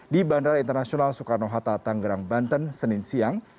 di bandara internasional soekarno hatta tanggerang banten senin siang